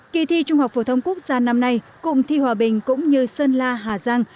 kỳ thi trung học phổ thông quốc gia năm nay cụm thi hòa bình cũng như sơn la hà giang